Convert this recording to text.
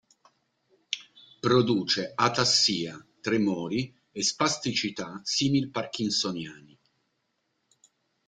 Produce atassia, tremori e spasticità simil-parkinsoniani.